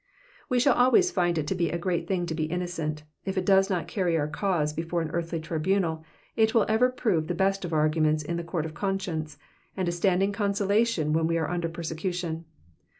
We shall always find it to be a great thing to be innocent ; it if does not carry our cause before an earthly tribunal, it will ever prove the best of arguments in the court of conscience, and a standing consolation when we are under persecution.